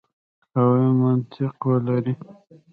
قوي منطق ولري.